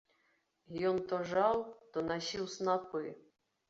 Ён то жаў, то насіў снапы.